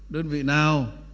đơn vị nào